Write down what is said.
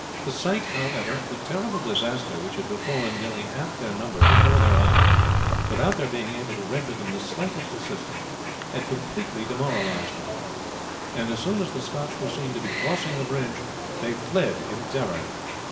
The sight, however, of the terrible disaster which had befallen nearly half their number before their eyes, without their being able to render them the slightest assistance, had completely demoralized them, and as soon as the Scotch were seen to be crossing the bridge they fled in terror.